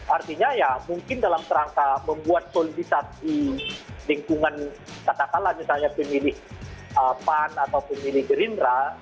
artinya ya mungkin dalam kerangka membuat solidisasi lingkungan katakanlah misalnya pemilih pan atau pemilih gerindra